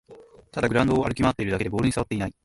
ただグラウンドを歩き回ってるだけでボールにさわっていない